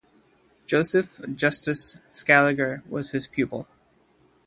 Joseph Justus Scaliger was his pupil.